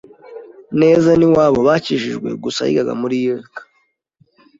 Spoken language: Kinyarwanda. neza n’iwabo bakijijwe gusa yigaga muri ULK,